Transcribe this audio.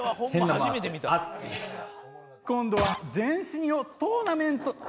今度は全身をトーナメント。